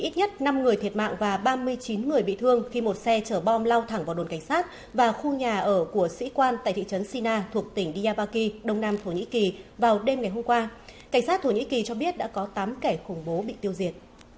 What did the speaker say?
các bạn hãy đăng ký kênh để ủng hộ kênh của chúng mình nhé